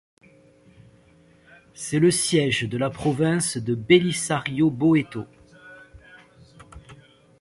C'est le siège de la province de Belisario Boeto.